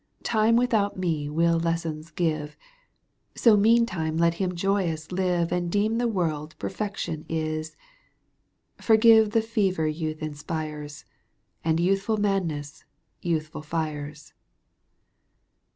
Time without me will lessons give, So meantime let him joyous live ^ And deem the world perfection is ! Forgive the fever youth inspires. And youthful madness, youthful fires.